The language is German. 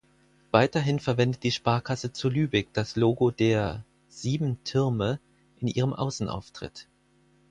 Weiterhin verwendet die Sparkasse zu Lübeck das Logo der "Sieben Türme" in ihrem Außenauftritt.